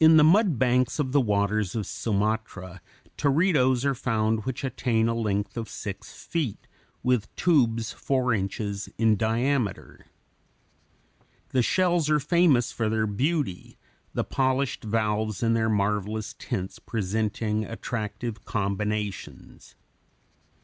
In the mud banks of the waters of Sumatra, teredos are found which attain a length of six feet, with tubes four inches in diameter. [Illustration: FIG. 92. Mactra: a, foot; b, c, siphons.] The shells are famous for their beauty, the polished valves and their marvelous tints presenting attractive combinations.